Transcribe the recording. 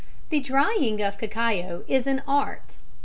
] The drying of cacao is an art.